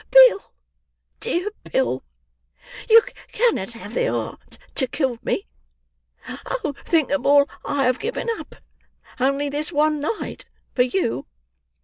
"Bill, dear Bill, you cannot have the heart to kill me. Oh! think of all I have given up, only this one night, for you.